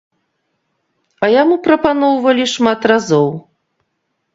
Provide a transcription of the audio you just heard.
А яму прапаноўвалі шмат разоў.